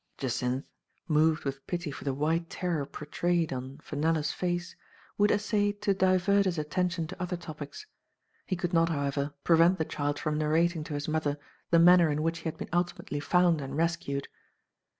Jacynth, moved with pity for the white terror portrayed Digitized by Google " TASMA." 295 on Fenella's face, would essay to divert his atten tion to other topics. He could not, however, prevent the child from narrating to his mother the manner in which he had been ultimately found and rescued.